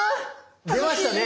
出ましたね